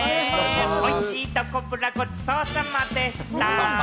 おいしいどこブラ、ごちそうさまでした。